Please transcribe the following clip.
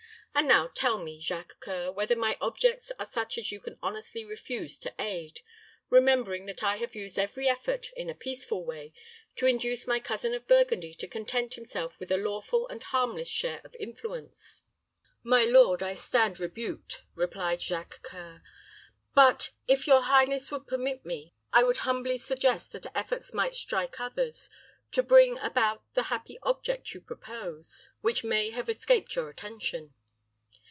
And now tell me, Jacques C[oe]ur, whether my objects are such as you can honestly refuse to aid, remembering that I have used every effort, in a peaceful way, to induce my cousin of Burgundy to content himself with a lawful and harmless share of influence." "My lord, I stand rebuked," replied Jacques C[oe]ur. "But, if your highness would permit me, I would numbly suggest that efforts might strike others, to bring about the happy object you propose, which may have escaped your attention."